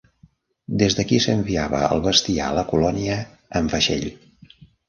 Des d'aquí s'enviava el bestiar a la colònia en vaixell.